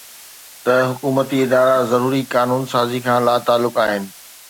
ته حڪومتي ادارا ضروري قانون سازي کان لاتعلق آهن